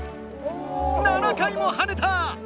７回もはねた！